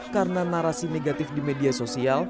karena narasi negatif di media sosial